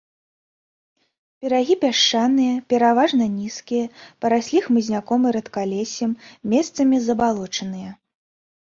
Берагі пясчаныя, пераважна нізкія, параслі хмызняком і рэдкалессем, месцамі забалочаныя.